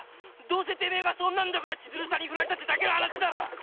どうせてめぇがそんなんだから千鶴さんに振られたってだけの話だろ！